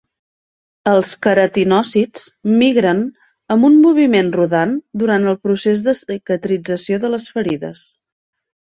Els queratinòcits migren amb un moviment rodant durant el procés de cicatrització de les ferides.